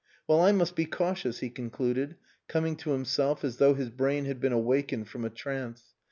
"Well, I must be cautious," he concluded, coming to himself as though his brain had been awakened from a trance.